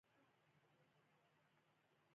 هغوی په خاموشه شپه کې د ستورو شمارلو خوند واخیست.